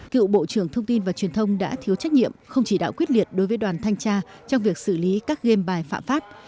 cựu bộ trưởng thông tin và truyền thông đã thiếu trách nhiệm không chỉ đạo quyết liệt đối với đoàn thanh tra trong việc xử lý các game bài phạm pháp